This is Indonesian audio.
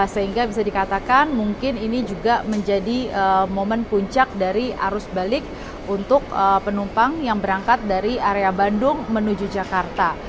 sehingga bisa dikatakan mungkin ini juga menjadi momen puncak dari arus balik untuk penumpang yang berangkat dari area bandung menuju jakarta